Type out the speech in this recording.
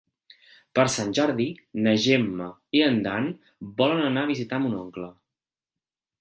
Per Sant Jordi na Gemma i en Dan volen anar a visitar mon oncle.